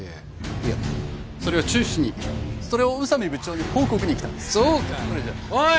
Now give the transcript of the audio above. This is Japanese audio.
いやそれは中止にそれを宇佐美部長に報告に来たんですそうかおい